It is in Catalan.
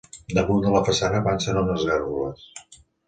Damunt de la façana avancen unes gàrgoles.